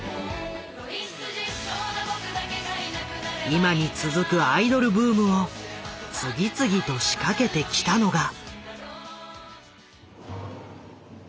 今に続くアイドルブームを次々と仕掛けてきたのが。